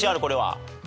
これは。